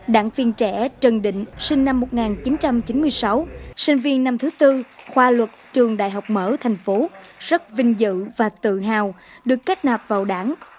đảng viên trẻ trần định sinh năm một nghìn chín trăm chín mươi sáu sinh viên năm thứ tư khoa luật trường đại học mở thành phố rất vinh dự và tự hào được kết nạp vào đảng